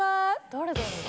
誰だろう？